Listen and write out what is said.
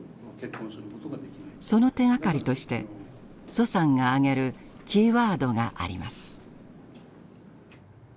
その手がかりとして徐さんが挙げるキーワードがあります。